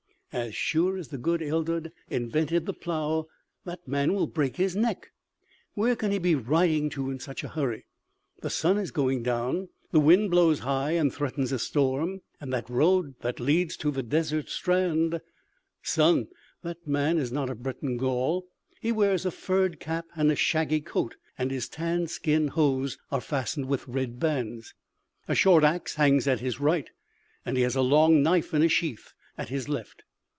"As sure as the good Elldud invented the plow, that man will break his neck." "Where can he be riding to in such a hurry? The sun is going down; the wind blows high and threatens a storm; and that road that leads to the desert strand " "Son, that man is not of Breton Gaul. He wears a furred cap and a shaggy coat, and his tanned skin hose are fastened with red bands." "A short axe hangs at his right and he has a long knife in a sheath at his left."